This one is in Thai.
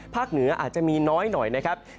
เหนืออาจจะมีน้อยหน่อยนะครับ